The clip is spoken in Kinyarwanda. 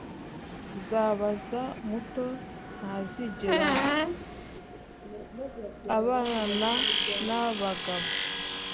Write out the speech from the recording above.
Uzababaza muto Ntazigera abana nabagabo